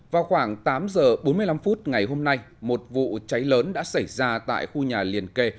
vào khoảng tám giờ bốn mươi năm phút ngày hôm nay một vụ cháy lớn đã xảy ra tại khu nhà liền kề